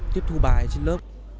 tiếp thu bài trên lớp